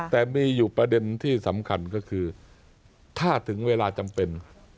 แต่มีอยู่ประเด็นที่สำคัญก็คือถ้าถึงเวลาจำเป็น